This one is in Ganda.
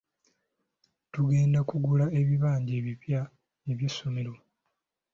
Tugenda kugula ebibajje ebipya eby'essomero.